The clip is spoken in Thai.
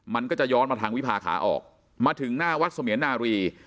มันก็จะย้อนมาทางวิพาขาออกมาถึงหน้าวัดเสมียนารี